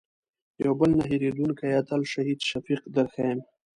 یو بل نه هېرېدونکی اتل شهید شفیق در ښیم.